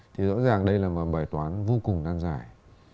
thì rõ ràng đây là một bài toán vô cùng nan giải